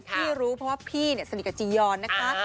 พี่รู้เพราะว่าพี่สนิทกับจียอนนะคะ